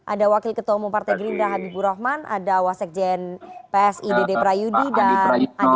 ada wakil ketua umum partai gerindah habibur rahman ada wasik jn psi dede prayudi dan andi prayudi